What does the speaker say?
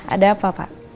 ada apa pak